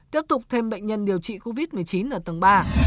tiếp tục thêm bệnh nhân điều trị covid một mươi chín ở tầng ba